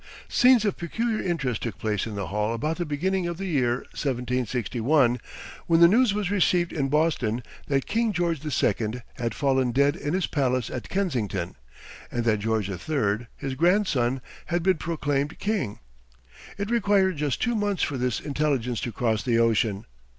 Scenes of peculiar interest took place in the Hall about the beginning of the year 1761, when the news was received in Boston that King George II. had fallen dead in his palace at Kensington, and that George III., his grandson, had been proclaimed king. It required just two months for this intelligence to cross the ocean.